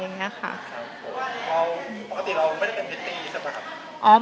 ปกติเราไม่ได้เป็นพิตตี้ใช่ปะครับ